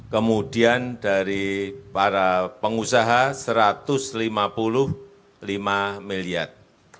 kemudian dari para pengusaha satu ratus lima puluh lima miliar